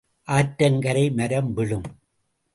ஆற்றங்கரை மரம் விழும்.